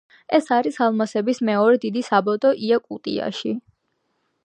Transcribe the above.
ეს არის ალმასების მეორე დიდი საბადო იაკუტიაში.